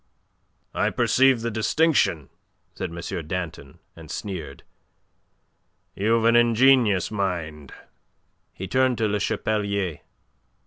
"I perceive the distinction," said M. Danton, and sneered. "You've an ingenious mind." He turned to Le Chapelier.